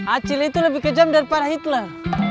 acil itu lebih kejam daripada hitler